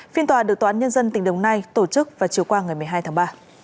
phiên tòa được tòa án nhân dân tỉnh đồng nai tổ chức vào chiều qua ngày một mươi hai tháng ba